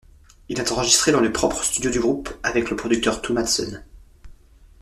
Il est enregistré dans le propre studio du groupe, avec le producteur Tue Madsen.